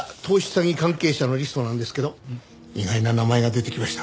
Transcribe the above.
詐欺関係者のリストなんですけど意外な名前が出てきました。